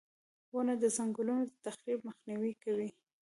• ونه د ځنګلونو د تخریب مخنیوی کوي.